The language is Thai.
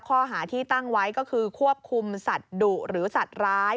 ข้อหาที่ตั้งไว้ก็คือควบคุมสัตว์ดุหรือสัตว์ร้าย